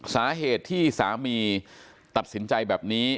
สาเหตุที่สามีตัดสินใจแบบนี้